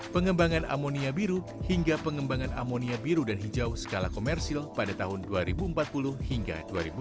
pengembangan amonia biru hingga pengembangan amonia biru dan hijau skala komersil pada tahun dua ribu empat puluh hingga dua ribu dua puluh